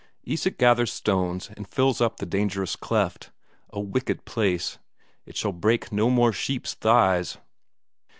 Isak gathers stones and fills up the dangerous cleft; a wicked place; it shall break no more sheep's thighs!